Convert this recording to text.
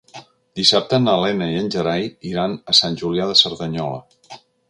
Dissabte na Lena i en Gerai iran a Sant Julià de Cerdanyola.